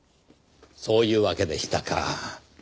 そういうわけでしたか。